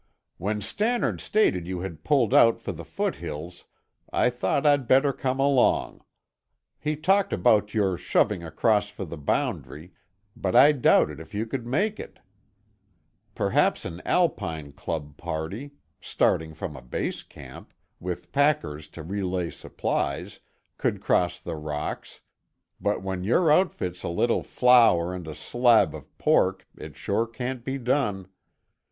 "When Stannard stated you had pulled out for the foothills I thought I'd better come along. He talked about your shoving across for the boundary, but I doubted if you could make it. Perhaps an Alpine Club party, starting from a base camp, with packers to relay supplies, could cross the rocks, but when your outfit's a little flour and a slab of pork it sure can't be done.